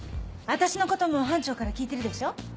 私のことも班長から聞いてるでしょ？